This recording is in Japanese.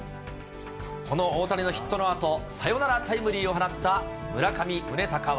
この大谷のヒットのあと、サヨナラタイムリーを放った村上宗隆は。